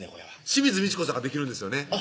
清水ミチコさんができるんですよね